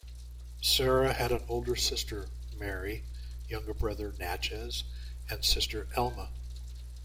Sarah had an older sister Mary, younger brother Natchez, and sister Elma.